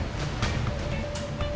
oke sekarang to the point